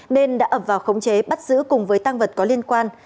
nên đã ập vào khống chế bắt giữ cùng với tăng vật có liên quan